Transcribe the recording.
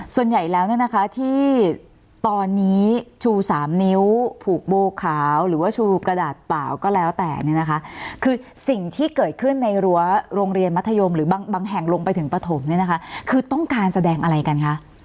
ส่วนใหญ่แล้วที่ตอนนี้ชูสามนิ้วผูกโบคาวหรือว่าชูกระดาษเปล่าก็แล้วแต่คือสิ่งที่เกิดขึ้นในรั้วโรงเรียนมัธยมหรือบังแห่งลงไปถึงปฐมคือต้องการแสดงอะไรกันคะ